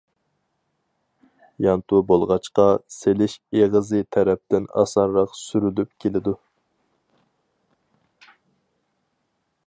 يانتۇ بولغاچقا، سېلىش ئېغىزى تەرەپتىن ئاسانراق سۈرۈلۈپ كېلىدۇ.